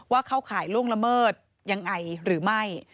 เข้าข่ายล่วงละเมิดยังไงหรือไม่